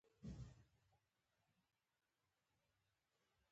دې سره ټولنه روان کار کوي.